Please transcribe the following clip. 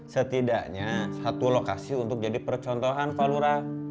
setidaknya satu lokasi untuk jadi percontohan pak lurah